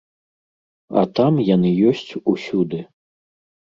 А там яны ёсць усюды.